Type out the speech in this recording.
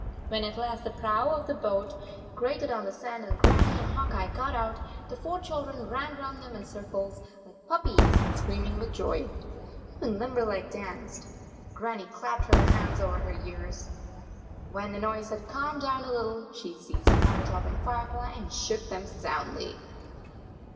When at last the prow of the boat grated on the sand, and Grannie and Hawk Eye got out, the four children ran round them in circles like puppies, screaming with joy. Even Limberleg danced. Grannie clapped her hands over her ears. When the noise had calmed down a lit tle, she seized Firetop and Firefly and shook them soundly.